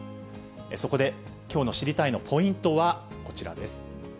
そこできょうの知りたいッ！のポイントはこちらです。